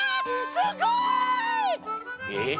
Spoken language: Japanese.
すごい！えっ？